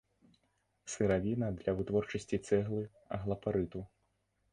Сыравіна для вытворчасці цэглы, аглапарыту.